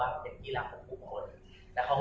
แเปลว่าทุกคนคือทุกคน